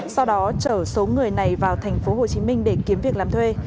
sau đó chở số người này vào thành phố hồ chí minh để kiếm việc làm thuê